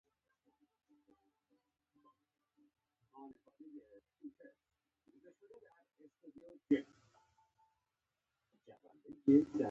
د خونې رڼا کمزورې وه.